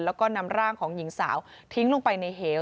แล้วก็นำร่างของหญิงสาวทิ้งลงไปในเหว